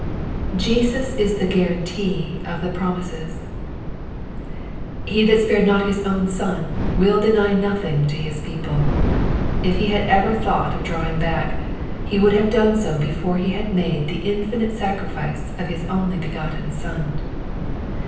Jesus is the guarantee of the promises. He that spared not his own Son will deny nothing to his people. If he had ever thought of drawing back, he would have done so before he had made the infinite sacrifice of his only begotten Son.